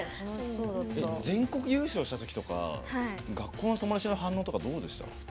全国優勝したときとか学校の友達の反応とかどうでした？